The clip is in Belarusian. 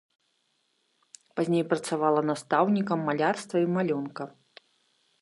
Пазней працавала настаўнікам малярства і малюнка.